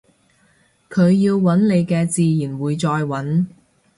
佢要搵你嘅自然會再搵